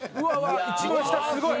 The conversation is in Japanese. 一番下すごい！